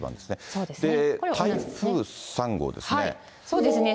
そうですね。